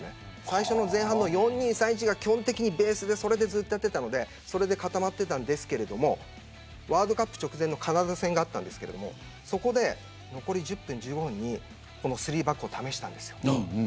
最初の前半の４−２−３−１がベースでやっていたのでそれで固まっていたんですけどワールドカップ直前のカナダ戦があったんですけど残り１０分、１５分にこの３バックを試したんです。